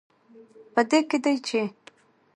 په دې کې دی، چې